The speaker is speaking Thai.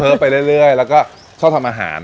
ไปเรื่อยแล้วก็ชอบทำอาหาร